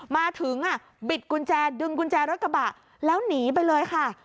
มาถึงบิดกุญแจดึงกุญแจรถกระบะแล้วหนีไปเลยค่ะ